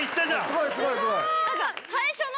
すごいすごい。